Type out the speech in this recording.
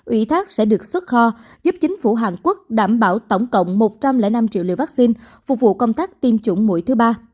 ủy thác sẽ được xuất kho giúp chính phủ hàn quốc đảm bảo tổng cộng một trăm linh năm triệu liều vaccine phục vụ công tác tiêm chủng mũi thứ ba